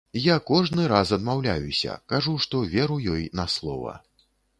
Я кожны раз адмаўляюся, кажу, што веру ёй на слова.